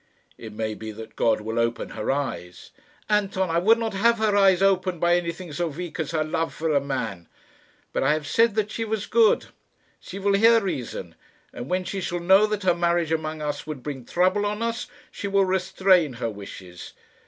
"It may be that God will open her eyes." "Anton, I would not have her eyes opened by anything so weak as her love for a man. But I have said that she was good. She will hear reason; and when she shall know that her marriage among us would bring trouble on us, she will restrain her wishes.